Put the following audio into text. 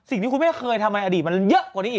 สิ่งที่คุณแม่เคยทำไมอดีตมันเยอะกว่านี้อีก